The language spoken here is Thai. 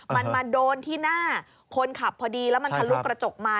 มันมาโดนที่หน้าคนขับพอดีแล้วมันทะลุกระจกมา